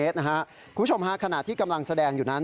คุณผู้ชมฮะขณะที่กำลังแสดงอยู่นั้น